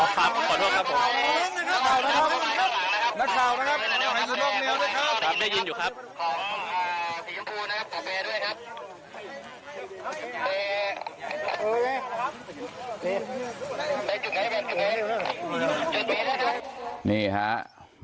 ไปยินอย่างงี้นะครับ